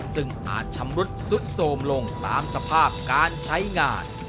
ซึ่งอาจชำรุดสุดโสมลงตามสภาพการใช้งาน